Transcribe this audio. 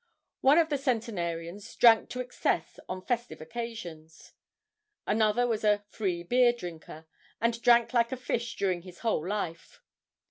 One of the centenarians 'drank to excess on festive occasions:' another was a 'free beer drinker,' and 'drank like a fish during his whole life.